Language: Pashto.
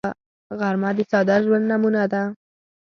غرمه د ساده ژوند نمونه ده